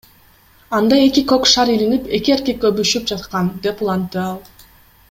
Анда эки көк шар илинип, эки эркек өбүшүп жаткан, — деп улантты ал.